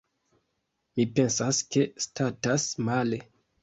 Mi pensas, ke statas male.